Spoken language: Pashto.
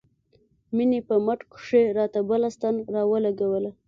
مينې په مټ کښې راته بله ستن راولګوله.